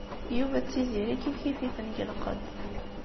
Yuba d Tiziri kifkif-iten deg lqedd.